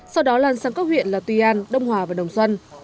sau đó lan sang các huyện là tuy an đông hòa và đồng xuân